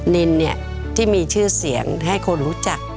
นินเนี่ยที่มีชื่อเสียงให้คนรู้จัก